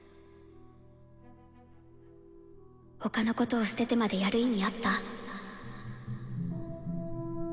他のことを捨ててまでやる意味あった？